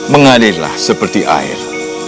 mengalirlah seperti air